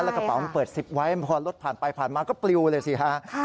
แล้วกระเป๋ามันเปิด๑๐ไว้พอรถผ่านไปผ่านมาก็ปลิวเลยสิฮะ